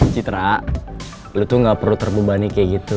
citra lu tuh gak perlu terbebani kayak gitu